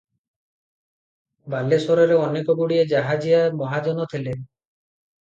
ବାଲେଶ୍ୱରରେ ଅନେକଗୁଡିଏ ଜାହାଜିଆ ମହାଜନ ଥିଲେ ।